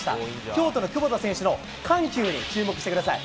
京都の久保田選手の緩急に注目してください。